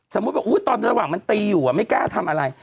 บอกตอนระหว่างมันตีอยู่ไม่กล้าทำอะไร